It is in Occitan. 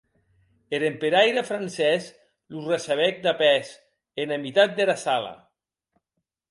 Er emperaire Francés lo recebec de pès, ena mitat dera sala.